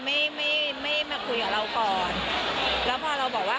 ไม่เคยทำอะไรเกี่ยวกับพี่พอร์ตั้งนั้น